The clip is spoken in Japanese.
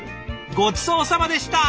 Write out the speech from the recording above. ごちそうさまでした！